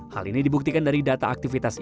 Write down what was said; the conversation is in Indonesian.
hal ini dibuktikan dari data aktivitas